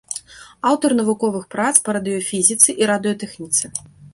Аўтар навуковых прац па радыёфізіцы і радыётэхніцы.